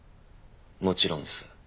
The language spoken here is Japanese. もちろんです。